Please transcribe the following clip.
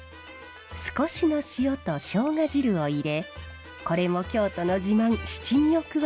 少しの塩としょうが汁を入れこれも京都の自慢七味を加えます。